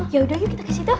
yaudah yuk kesitu